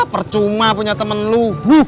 percuma punya temen lo